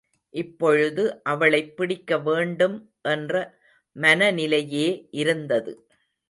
இப்பொழுது அவளைப் பிடிக்கவேண்டும் என்ற மனநிலையே இருந்தது.